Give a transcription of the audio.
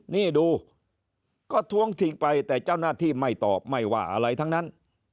นี่ดูก็ท้วงทิ้งไปแต่เจ้าหน้าที่ไม่ตอบไม่ว่าอะไรทั้งนั้น